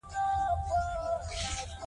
ډېرو ښځو خپلې زدهکړې بشپړې کړې دي.